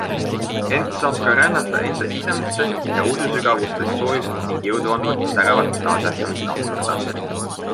Ent saab ka rännata enda sisemusse ja ususügavustest soojust ning jõudu andvat säravat taasärkamist ammutada.